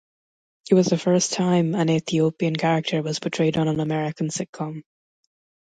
It was the first time an Ethiopian character was portrayed on an American sitcom.